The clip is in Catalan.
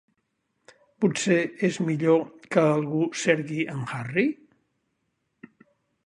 Potser és millor que algú cerqui en Harry?